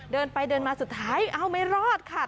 เดินไปเดินมาสุดท้ายเอาไม่รอดค่ะ